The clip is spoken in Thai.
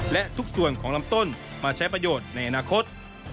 และทุกส่วนของลำต้นมาใช้ประโยชน์ในอนาคต